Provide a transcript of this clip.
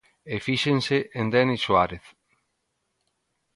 E fíxense en Denis Suárez.